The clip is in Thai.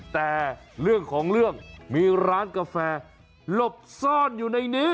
แต่เรื่องของเรื่องมีร้านกาแฟหลบซ่อนอยู่ในนี้